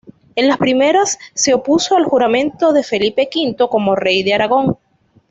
En las primeras, se opuso al juramento de Felipe V como rey de Aragón.